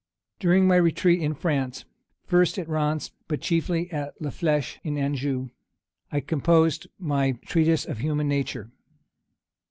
During my retreat in France, first at Rheims, but chiefly at La Fleche, in Anjou, I composed my Treatise of Human Nature.